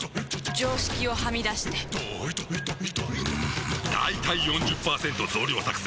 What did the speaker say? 常識をはみ出してんだいたい ４０％ 増量作戦！